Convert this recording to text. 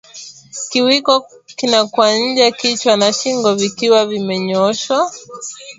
Kiwiko kinakuwa nje kichwa na shingo vikiwa vimenyooshwa